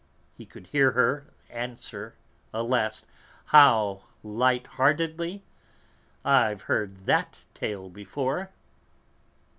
He could hear her answer alas, how lightheartedly "I've heard that tale before!"